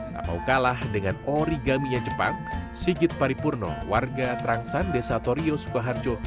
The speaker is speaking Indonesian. tak mau kalah dengan origami yang jepang sigit paripurno warga trangsan desa torio sukoharjo